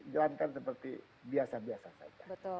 jalankan seperti biasa biasa saja